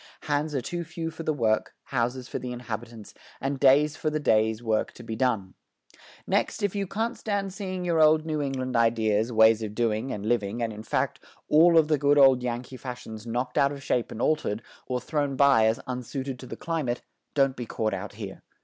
... Hands are too few for the work, houses for the inhabitants, and days for the day's work to be done. ... Next if you can't stand seeing your old New England ideas, ways of doing, and living and in fact, all of the good old Yankee fashions knocked out of shape and altered, or thrown by as unsuited to the climate, don't be caught out here.